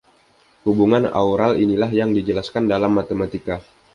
Hubungan aural inilah yang dijelaskan dalam matematika.